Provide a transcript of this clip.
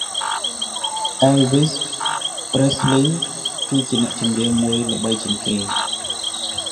អេលវីស ប្រេសលី គឺអ្នកចម្រៀងមួយល្បីជាងគេ។